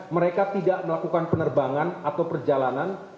mereka tidak melakukan penerbangan atau perjalanan